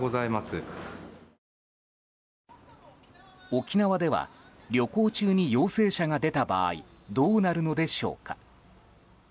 沖縄では旅行中に陽性者が出た場合どうなるのでしょうか。